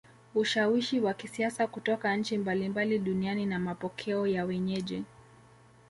Ushawishi wa kisiasa kutoka nchi mbalimbali duniani na mapokeo ya wenyeji